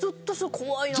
怖いなと。